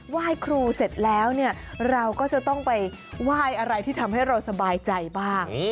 ไหว้ครูเสร็จแล้วเนี่ยเราก็จะต้องไปไหว้อะไรที่ทำให้เราสบายใจบ้าง